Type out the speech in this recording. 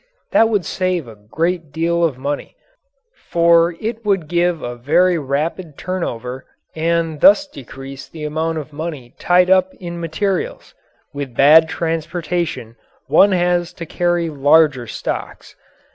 That would save a great deal of money, for it would give a very rapid turnover and thus decrease the amount of money tied up in materials. With bad transportation one has to carry larger stocks.